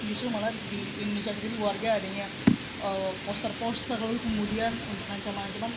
justru malah di indonesia sendiri warga adanya poster poster lalu kemudian ancaman ancaman